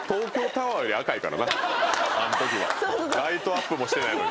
ライトアップもしてないのに。